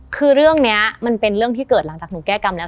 คือเรื่องนี้มันเป็นเรื่องที่เกิดหลังจากหนูแก้กรรมแล้ว